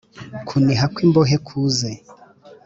Kuniha kw imbohe kuze